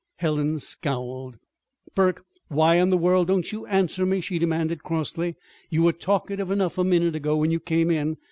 Helen scowled. "Burke, why in the world don't you answer me?" she demanded crossly. "You were talkative enough a minute ago, when you came in.